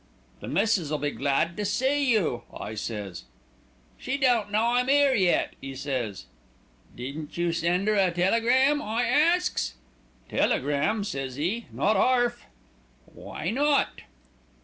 "'The missis'll be glad to see you,' I says. "'She don't know I'm 'ere yet,' 'e says. "'Didn't you send 'er a telegram?' I asks. "'Telegram!' says 'e, 'not 'arf.' "'Why not?'